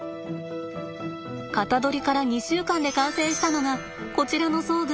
型取りから２週間で完成したのがこちらの装具